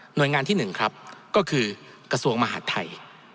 หน่วยงานที่หนึ่งครับก็คือกระทรวงมหาธัย